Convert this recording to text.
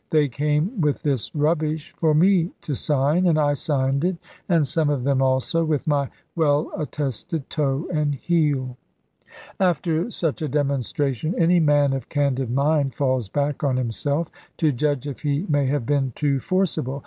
They came with this rubbish for me to sign; and I signed it (and some of them also) with my well attested toe and heel. After such a demonstration, any man of candid mind falls back on himself, to judge if he may have been too forcible.